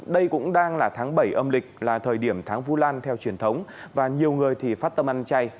đây cũng đang là tháng bảy âm lịch là thời điểm tháng vu lan theo truyền thống và nhiều người thì phát tâm ăn chay